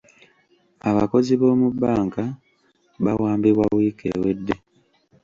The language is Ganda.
Abakozi b'omu bbanka bawambibwa wiiki ewedde